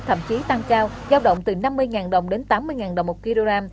thậm chí tăng cao giao động từ năm mươi đồng đến tám mươi đồng một kg